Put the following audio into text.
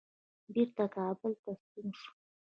بیرته کابل ته ستون شو.